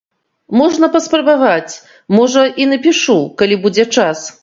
Можна паспрабаваць, можа, і напішу, калі будзе час.